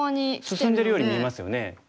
進んでるように見えますよね。